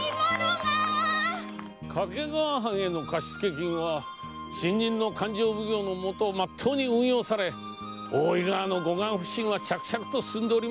掛川藩への貸付金は新任の勘定奉行のもとまっとうに運用され大井川の護岸普請は着々と進んでいます。